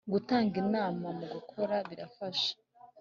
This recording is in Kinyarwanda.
Gutanga inama mu gukora birafasha.